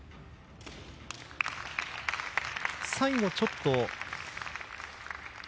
最後、ちょっと。